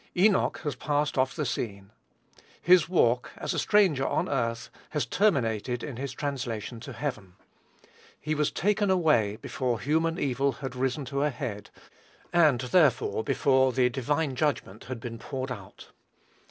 Enoch has passed off the scene. His walk, as a stranger on earth, has terminated in his translation to heaven. He was taken away before human evil had risen to a head, and, therefore, before the divine judgment had been poured out.